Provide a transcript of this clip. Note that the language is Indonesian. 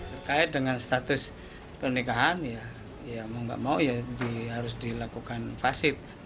berkait dengan status pernikahan ya mau nggak mau ya harus dilakukan fasif